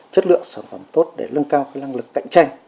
chất lượng sản phẩm tốt để lưng cao cái lăng lực cạnh tranh